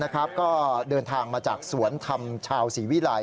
ก็เดินทางมาจากสวนธรรมชาวศรีวิลัย